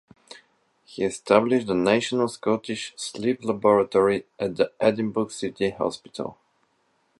He established the National Scottish Sleep Laboratory at the Edinburgh City Hospital.